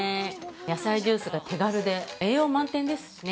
野菜ジュースが手軽で栄養満点ですしね